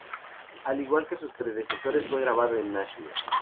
Al igual que sus predecesores, fue grabado en Nashville.